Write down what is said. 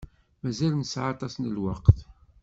Mazal nesεa aṭas n lweqt.